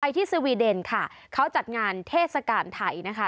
ที่สวีเดนค่ะเขาจัดงานเทศกาลไทยนะคะ